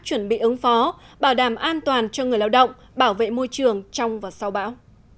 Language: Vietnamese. chuẩn bị ứng phó bảo đảm an toàn cho người lao động bảo vệ môi trường trong và sau bão